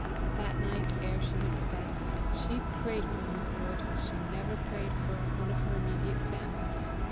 That night, ere she went to bed, she prayed for the Macruadh as she never prayed for one of her immediate family.